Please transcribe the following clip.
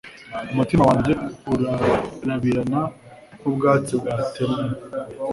Umutima wanjye urarabirana nk’ubwatsi batemye